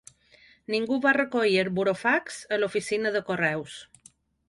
Ningú va recollir el burofax a l'Oficina de Correus.